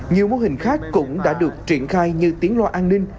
nhiều mô hình khác cũng đã được triển khai như tiến loa an ninh